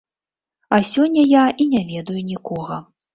А сёння я і не ведаю нікога.